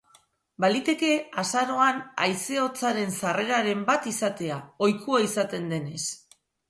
Baliteke azaroan haize hotzaren sarreraren bat izatea, ohikoa izaten denez.